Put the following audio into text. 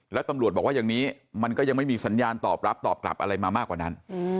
แล้วตำรวจบอกว่าอย่างนี้มันก็ยังไม่มีสัญญาณตอบรับตอบกลับอะไรมามากกว่านั้น